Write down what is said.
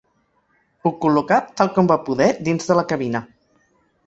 Ho col·locà, tal com va poder, dins de la cabina.